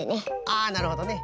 あなるほどね。